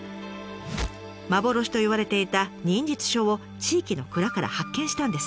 幻といわれていた忍術書を地域の蔵から発見したんです。